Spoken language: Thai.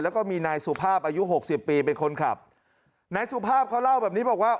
แล้วก็มีนายสุภาพอายุหกสิบปีเป็นคนขับนายสุภาพเขาเล่าแบบนี้บอกว่า